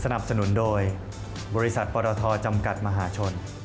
สนับสนุนโดยบริษัทปรทจำกัดมหาชน